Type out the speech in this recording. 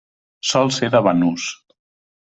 Sol ser de banús.